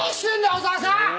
小澤さん！